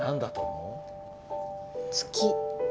「月」